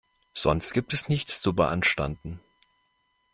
Sonst gibt es nichts zu beanstanden.